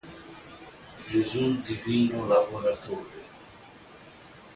Gesù Divino Lavoratore